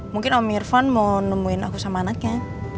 mungkin om irfan mau nemuin aku sama anaknya